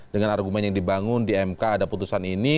dengan argumen yang dibangun di mk ada putusan ini